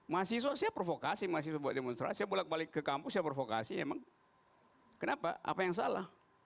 masih soal saya provokasi saya buat demonstrasi saya pulak balik ke kampus saya provokasi kenapa apa yang salah